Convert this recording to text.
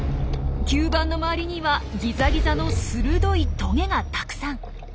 吸盤の周りにはギザギザの鋭いトゲがたくさん！